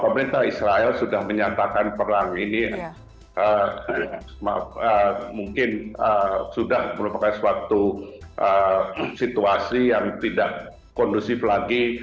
pemerintah israel sudah menyatakan perang ini mungkin sudah merupakan suatu situasi yang tidak kondusif lagi